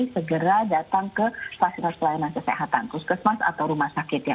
segera datang ke fasilitas pelayanan kesehatan puskesmas atau rumah sakit ya